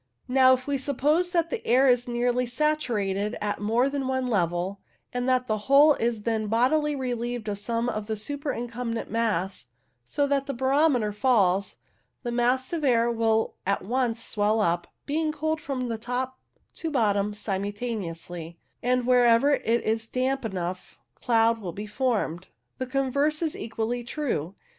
Now, if we suppose that the air is nearly saturated at more than one level, and that the whole is then bodily relieved of some of the superincumbent mass, so that the barometer falls, the mass of air will at once swell up, being cooled from top to bottom simultaneously, and wherever it is damp enough cloud will be formed. The converse is equally true.